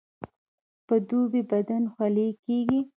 په دوبي بدن خولې کیږي